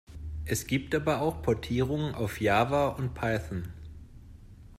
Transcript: Es gibt aber auch Portierungen auf Java und Python.